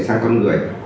sang con người